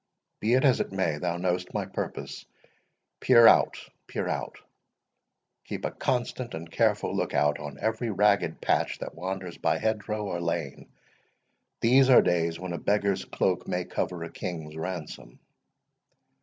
Be it as it may, thou knowst my purpose—peer out, peer out; keep a constant and careful look out on every ragged patch that wanders by hedge row or lane—these are days when a beggar's cloak may cover a king's ransom.